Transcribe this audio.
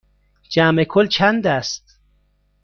جمع کل چند است؟